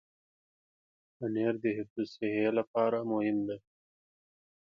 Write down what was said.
پنېر د حفظ الصحې لپاره مهم دی.